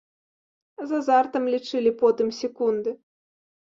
З азартам лічылі потым секунды.